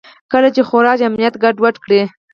کله چې خوارج امنیت ګډوډ کړي.